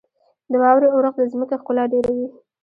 • د واورې اورښت د ځمکې ښکلا ډېروي.